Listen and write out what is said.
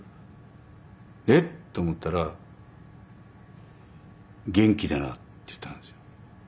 えっ⁉と思ったら「元気でな」って言ったんですよ。